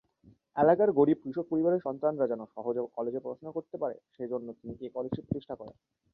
এলাকার গরিব কৃষক পরিবারের সন্তানরা যেন সহজে কলেজে পড়াশোনা করতে পারে সে জন্য তিনি এ কলেজটি প্রতিষ্ঠা করেন।